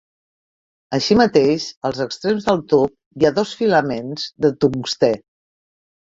Així mateix, als extrems del tub hi ha dos filaments de tungstè.